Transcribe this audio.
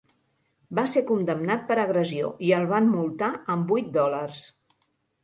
Va ser condemnat per agressió i el van multar amb vuit dòlars.